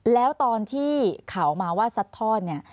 แล้วตอนที่ข่าวมาว่าซัดทอดเนี่ย